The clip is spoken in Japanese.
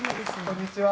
「こんにちは」